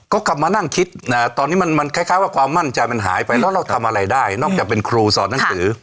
ก็กลับมานั่งคิดนะตอนนี้มันคล้ายว่าความมั่นใจมันหายไปแล้วเราทำอะไรได้นอกจากเป็นครูสอนหนังสือ